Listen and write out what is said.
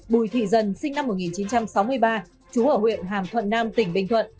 bùi thị dần sinh năm một nghìn chín trăm sáu mươi ba chú ở huyện hàm thuận nam tỉnh bình thuận